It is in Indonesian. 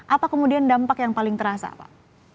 apa kemudian dampak yang paling terasa pak